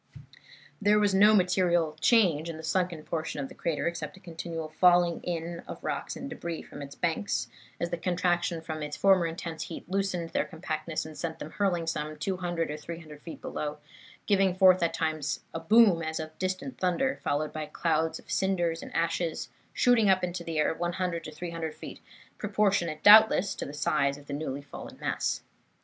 There was no material change in the sunken portion of the crater except a continual falling in of rocks and debris from its banks as the contraction from its former intense heat loosened their compactness and sent them hurling some 200 or 300 feet below, giving forth at times a boom as of distant thunder, followed by clouds of cinders and ashes shooting up into the air 100 to 300 feet, proportionate, doubtless, to the size of the newly fallen mass.